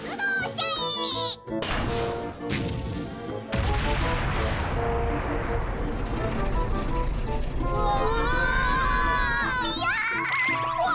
うわ！